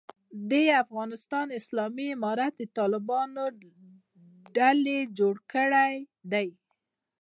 د افغانستان اسلامي امارت د طالبانو ډلې جوړ کړی دی.